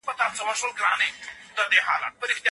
د ده په کلام کې پښتني احساسات څپې وهي.